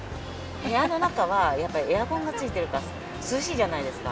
部屋の中はやっぱり、エアコンがついてるから涼しいじゃないですか。